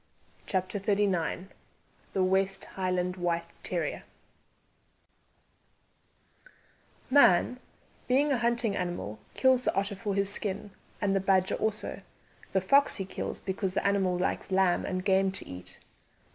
CHAPTER XXXIX THE WEST HIGHLAND WHITE TERRIER Man, being a hunting animal, kills the otter for his skin, and the badger also; the fox he kills because the animal likes lamb and game to eat.